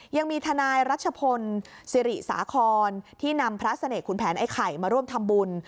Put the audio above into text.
ยังมีทนายรัชพลสิริสาครที่นำพระเสน่หุนแผนไอ้ไข่มาร่วมทำบุญ